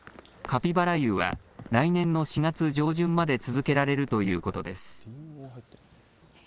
カピバラ湯は、来年の４月上旬まで続けられるということです。